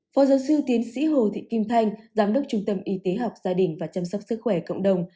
phó giáo sư tiến sĩ hồ thị kim thanh giám đốc trung tâm y tế học gia đình và chăm sóc sức khỏe cộng đồng